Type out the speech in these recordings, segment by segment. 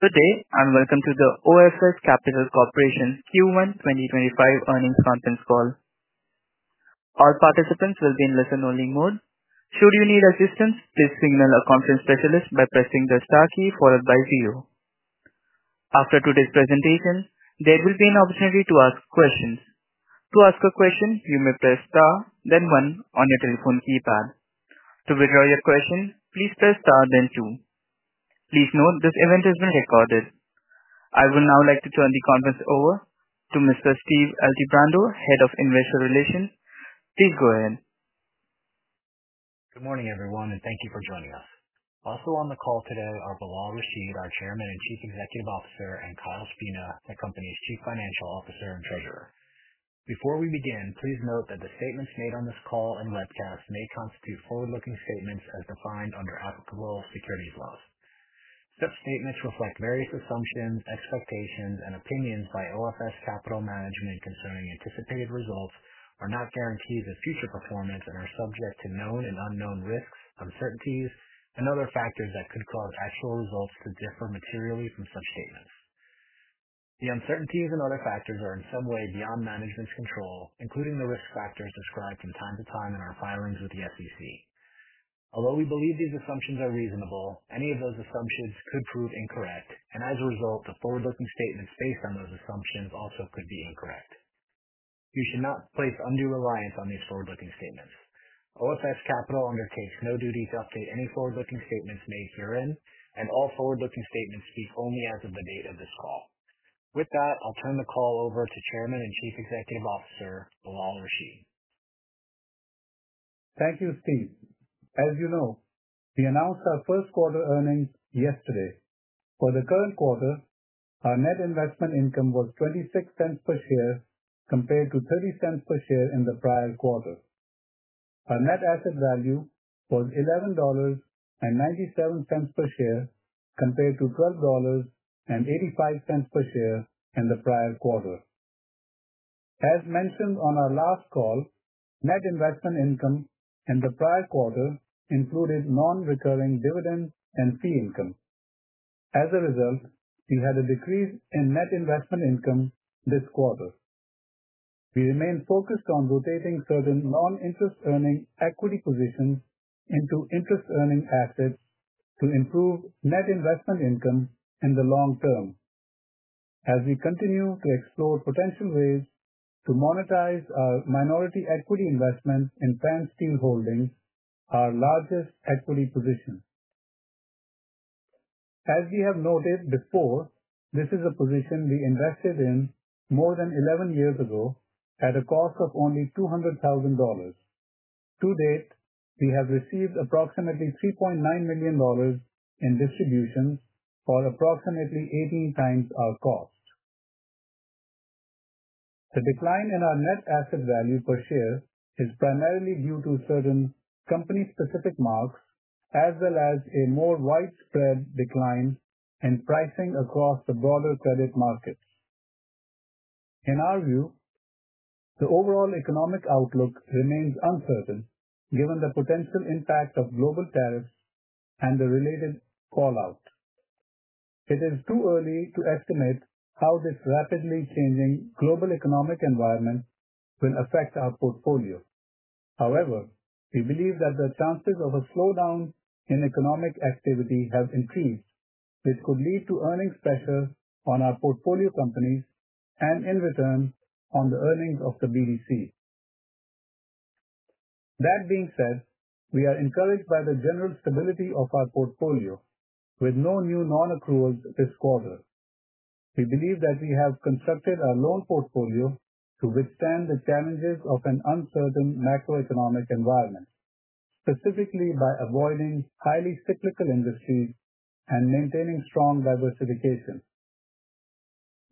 Good day, and welcome to the OFS Capital Corporation Q1 2025 Earnings Conference Call. All participants will be in listen-only mode. Should you need assistance, please signal a conference specialist by pressing the star key for advice view. After today's presentation, there will be an opportunity to ask questions. To ask a question, you may press star, then 1 on your telephone keypad. To withdraw your question, please press star, then 2. Please note this event has been recorded. I would now like to turn the conference over to Mr. Steve Altebrando, Head of Investor Relations. Please go ahead. Good morning, everyone, and thank you for joining us. Also on the call today are Bilal Rashid, our Chairman and Chief Executive Officer, and Kyle Spina, the company's Chief Financial Officer and Treasurer. Before we begin, please note that the statements made on this call and webcast may constitute forward-looking statements as defined under applicable securities laws. Such statements reflect various assumptions, expectations, and opinions by OFS Capital Management concerning anticipated results, are not guarantees of future performance, and are subject to known and unknown risks, uncertainties, and other factors that could cause actual results to differ materially from such statements. The uncertainties and other factors are in some way beyond management's control, including the risk factors described from time to time in our filings with the SEC. Although we believe these assumptions are reasonable, any of those assumptions could prove incorrect, and as a result, the forward-looking statements based on those assumptions also could be incorrect. You should not place undue reliance on these forward-looking statements. OFS Capital undertakes no duty to update any forward-looking statements made herein, and all forward-looking statements speak only as of the date of this call. With that, I'll turn the call over to Chairman and Chief Executive Officer, Bilal Rashid. Thank you, Steve. As you know, we announced our first-quarter earnings yesterday. For the current quarter, our net investment income was $0.26 per share compared to $0.30 per share in the prior quarter. Our net asset value was $11.97 per share compared to $12.85 per share in the prior quarter. As mentioned on our last call, net investment income in the prior quarter included non-recurring dividend and fee income. As a result, we had a decrease in net investment income this quarter. We remain focused on rotating certain non-interest-earning equity positions into interest-earning assets to improve net investment income in the long term, as we continue to explore potential ways to monetize our minority equity investment in Pan Steel Holdings, our largest equity position. As we have noted before, this is a position we invested in more than 11 years ago at a cost of only $200,000. To date, we have received approximately $3.9 million in distributions for approximately 18 times our cost. The decline in our net asset value per share is primarily due to certain company-specific marks, as well as a more widespread decline in pricing across the broader credit markets. In our view, the overall economic outlook remains uncertain given the potential impact of global tariffs and the related fallout. It is too early to estimate how this rapidly changing global economic environment will affect our portfolio. However, we believe that the chances of a slowdown in economic activity have increased, which could lead to earnings pressure on our portfolio companies and, in return, on the earnings of the BDC. That being said, we are encouraged by the general stability of our portfolio, with no new non-accruals this quarter. We believe that we have constructed our loan portfolio to withstand the challenges of an uncertain macroeconomic environment, specifically by avoiding highly cyclical industries and maintaining strong diversification.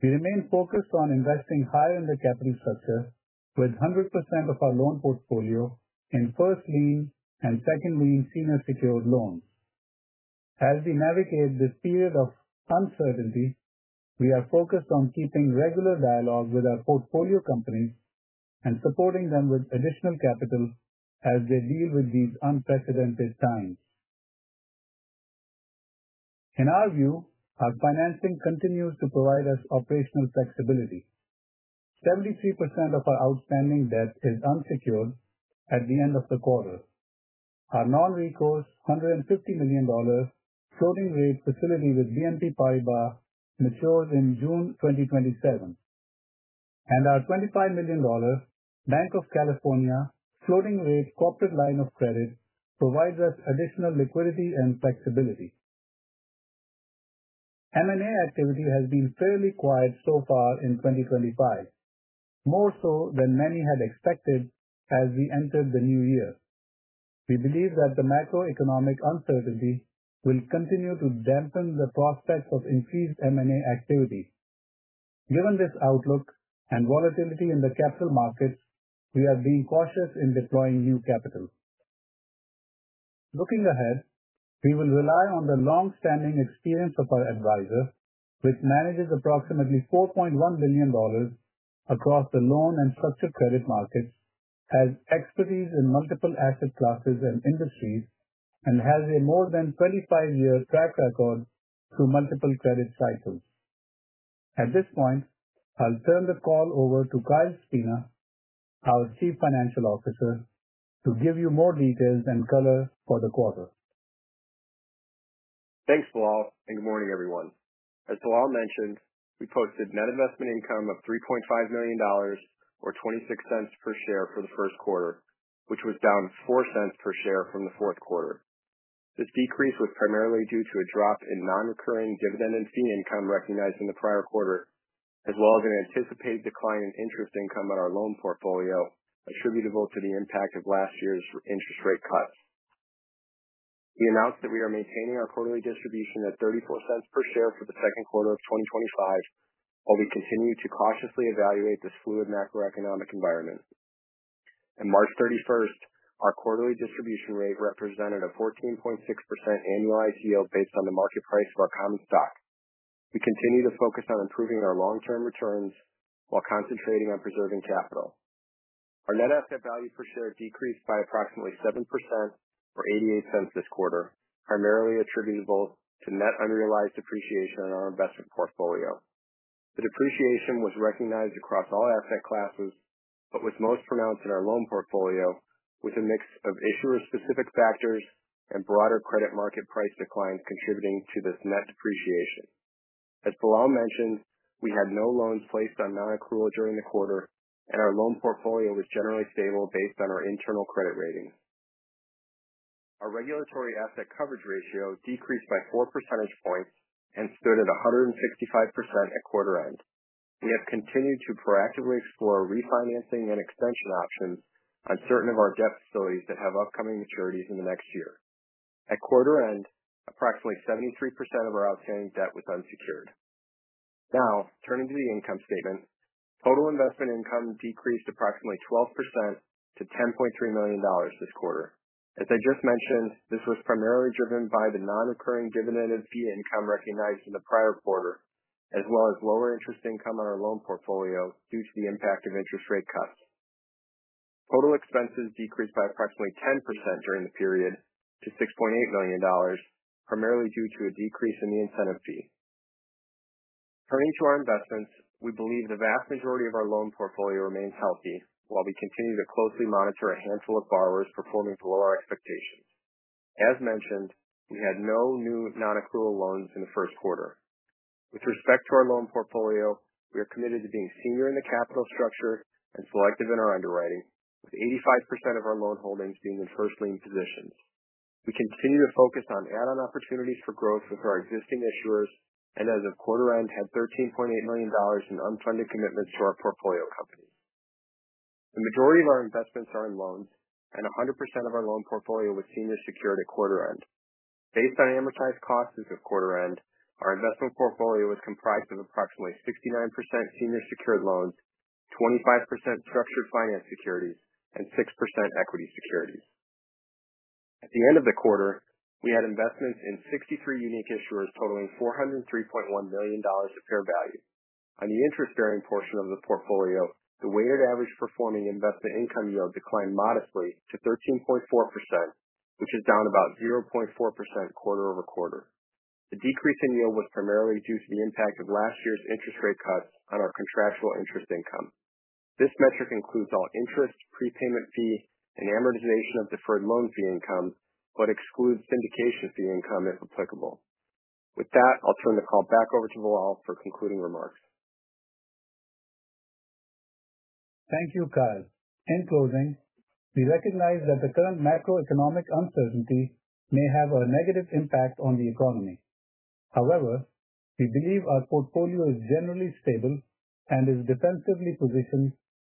We remain focused on investing higher in the capital structure, with 100% of our loan portfolio in first lien and second lien senior secured loans. As we navigate this period of uncertainty, we are focused on keeping regular dialogue with our portfolio companies and supporting them with additional capital as they deal with these unprecedented times. In our view, our financing continues to provide us operational flexibility. 73% of our outstanding debt is unsecured at the end of the quarter. Our non-recourse $150 million floating rate facility with BNP Paribas matures in June 2027, and our $25 million Bank of California floating rate corporate line of credit provides us additional liquidity and flexibility. M&A activity has been fairly quiet so far in 2025, more so than many had expected as we entered the new year. We believe that the macroeconomic uncertainty will continue to dampen the prospects of increased M&A activity. Given this outlook and volatility in the capital markets, we are being cautious in deploying new capital. Looking ahead, we will rely on the longstanding experience of our advisor, which manages approximately $4.1 billion across the loan and structured credit markets, has expertise in multiple asset classes and industries, and has a more than 25-year track record through multiple credit cycles. At this point, I'll turn the call over to Kyle Spina, our Chief Financial Officer, to give you more details and color for the quarter. Thanks, Bilal, and good morning, everyone. As Bilal mentioned, we posted net investment income of $3.5 million, or $0.26 per share, for the first quarter, which was down $0.04 per share from the fourth quarter. This decrease was primarily due to a drop in non-recurring dividend and fee income recognized in the prior quarter, as well as an anticipated decline in interest income on our loan portfolio attributable to the impact of last year's interest rate cuts. We announced that we are maintaining our quarterly distribution at $0.34 per share for the second quarter of 2025, while we continue to cautiously evaluate this fluid macroeconomic environment. On March 31st, our quarterly distribution rate represented a 14.6% annualized yield based on the market price of our common stock. We continue to focus on improving our long-term returns while concentrating on preserving capital. Our net asset value per share decreased by approximately 7%, or $0.88 this quarter, primarily attributable to net unrealized depreciation on our investment portfolio. The depreciation was recognized across all asset classes, but was most pronounced in our loan portfolio, with a mix of issuer-specific factors and broader credit market price declines contributing to this net depreciation. As Bilal mentioned, we had no loans placed on non-accrual during the quarter, and our loan portfolio was generally stable based on our internal credit ratings. Our regulatory asset coverage ratio decreased by 4 percentage points and stood at 165% at quarter end. We have continued to proactively explore refinancing and extension options on certain of our debt facilities that have upcoming maturities in the next year. At quarter end, approximately 73% of our outstanding debt was unsecured. Now, turning to the income statement, total investment income decreased approximately 12% to $10.3 million this quarter. As I just mentioned, this was primarily driven by the non-recurring dividend and fee income recognized in the prior quarter, as well as lower interest income on our loan portfolio due to the impact of interest rate cuts. Total expenses decreased by approximately 10% during the period to $6.8 million, primarily due to a decrease in the incentive fee. Turning to our investments, we believe the vast majority of our loan portfolio remains healthy, while we continue to closely monitor a handful of borrowers performing below our expectations. As mentioned, we had no new non-accrual loans in the first quarter. With respect to our loan portfolio, we are committed to being senior in the capital structure and selective in our underwriting, with 85% of our loan holdings being in first lien positions. We continue to focus on add-on opportunities for growth with our existing issuers and, as of quarter end, had $13.8 million in unfunded commitments to our portfolio companies. The majority of our investments are in loans, and 100% of our loan portfolio was senior secured at quarter end. Based on amortized costs as of quarter end, our investment portfolio was comprised of approximately 69% senior secured loans, 25% structured finance securities, and 6% equity securities. At the end of the quarter, we had investments in 63 unique issuers totaling $403.1 million of fair value. On the interest-bearing portion of the portfolio, the weighted average performing investment income yield declined modestly to 13.4%, which is down about 0.4% quarter over quarter. The decrease in yield was primarily due to the impact of last year's interest rate cuts on our contractual interest income. This metric includes all interest, prepayment fee, and amortization of deferred loan fee income, but excludes syndication fee income if applicable. With that, I'll turn the call back over to Bilal for concluding remarks. Thank you, Kyle. In closing, we recognize that the current macroeconomic uncertainty may have a negative impact on the economy. However, we believe our portfolio is generally stable and is defensively positioned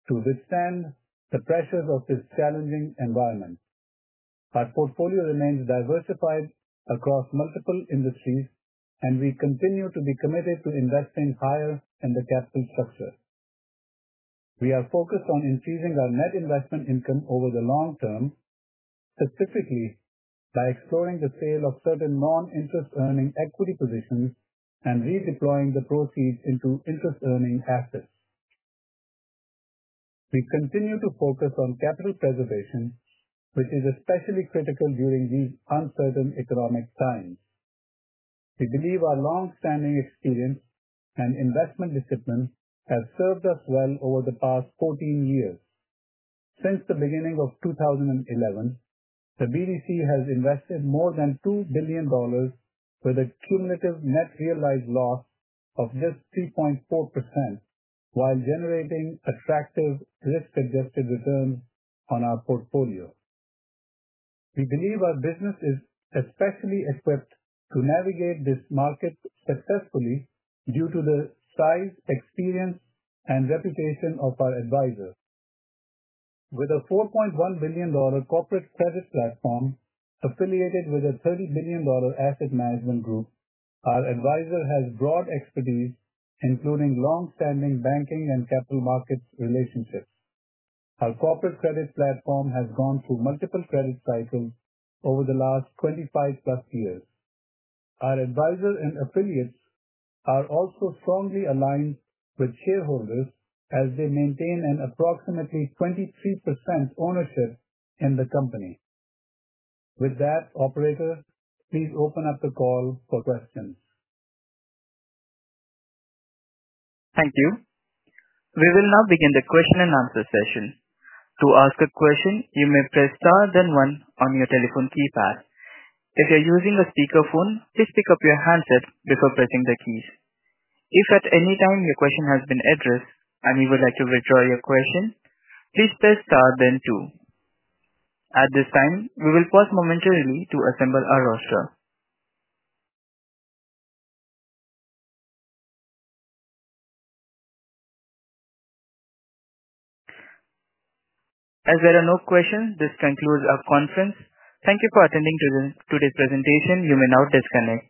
to withstand the pressures of this challenging environment. Our portfolio remains diversified across multiple industries, and we continue to be committed to investing higher in the capital structure. We are focused on increasing our net investment income over the long term, specifically by exploring the sale of certain non-interest earning equity positions and redeploying the proceeds into interest earning assets. We continue to focus on capital preservation, which is especially critical during these uncertain economic times. We believe our longstanding experience and investment discipline have served us well over the past 14 years. Since the beginning of 2011, the BDC has invested more than $2 billion, with a cumulative net realized loss of just 3.4%, while generating attractive risk-adjusted returns on our portfolio. We believe our business is especially equipped to navigate this market successfully due to the size, experience, and reputation of our advisor. With a $4.1 billion corporate credit platform affiliated with a $30 billion asset management group, our advisor has broad expertise, including longstanding banking and capital markets relationships. Our corporate credit platform has gone through multiple credit cycles over the last 25+ years. Our advisor and affiliates are also strongly aligned with shareholders as they maintain an approximately 23% ownership in the company. With that, Operator, please open up the call for questions. Thank you. We will now begin the question and answer session. To ask a question, you may press * then 1 on your telephone keypad. If you're using a speakerphone, please pick up your handset before pressing the keys. If at any time your question has been addressed and you would like to withdraw your question, please press * then 2. At this time, we will pause momentarily to assemble our roster. As there are no questions, this concludes our conference. Thank you for attending today's presentation. You may now disconnect.